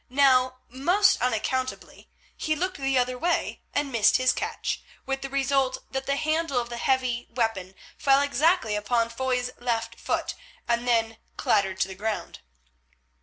Now, most unaccountably, he looked the other way and missed his catch, with the result that the handle of the heavy weapon fell exactly upon Foy's left foot and then clattered to the ground.